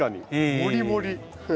もりもり。